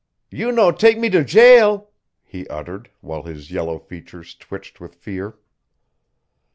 "You no take me to jail?" he uttered, while his yellow features twitched with fear.